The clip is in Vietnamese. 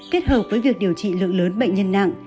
kết hợp với việc điều trị lượng lớn bệnh nhân nặng